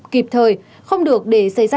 kịp thời không được để xây ra